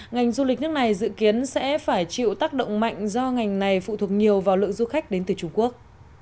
ngành du lịch nước này dự kiến sẽ phải chịu tác động mạnh do ngành này phụ thuộc nhiều vào lượng du khách đến từ trung quốc